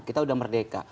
kita sudah merdeka